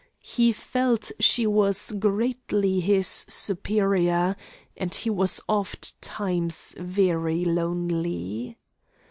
He felt she was greatly his superior, and he was ofttimes very lonely.